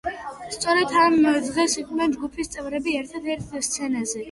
სწორად ამ დღეს იყვნენ ჯგუფის წევრები ერთად ერთ სცენაზე.